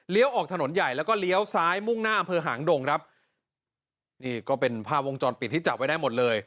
ออกถนนใหญ่แล้วก็เลี้ยวซ้ายมุ่งหน้าอำเภอหางดงครับนี่ก็เป็นภาพวงจรปิดที่จับไว้ได้หมดเลย